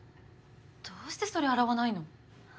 どうしてそれ洗わないの？